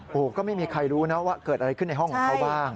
โอ้โหก็ไม่มีใครรู้นะว่าเกิดอะไรขึ้นในห้องของเขาบ้าง